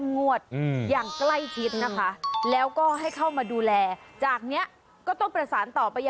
มันปวดไปจริงแล้วไม่มีใครกล้าเข้าใคร่ไง